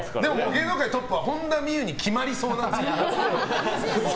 芸能界のトップは本田望結に決まりそうなんです。